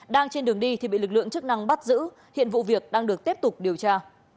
đang trên đường đi thì bị lực lượng chức năng bắt giữ hiện vụ việc đang được tiếp tục điều tra